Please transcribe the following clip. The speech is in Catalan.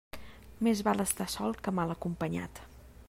Més val estar sol que mal acompanyat.